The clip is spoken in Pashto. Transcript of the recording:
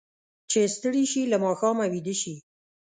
چې ستړي شي، له ماښامه ویده شي.